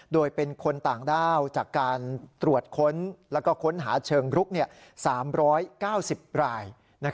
โดยเป็นคนต่างด้าวจากการตรวจค้นและค้นหาเชิงรุก๓๙๐ราย